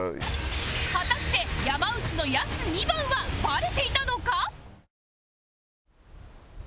果たして山内のヤス二番はバレていたのか？